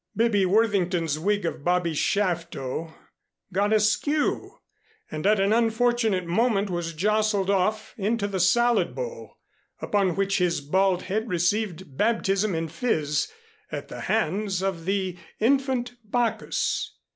Bibby Worthington's wig of Bobby Shafto got askew and at an unfortunate moment was jostled off into the salad bowl, upon which his bald head received baptism in fizz at the hands of the Infant Bacchus.